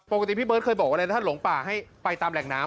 พี่เบิร์ตเคยบอกอะไรนะถ้าหลงป่าให้ไปตามแหล่งน้ำ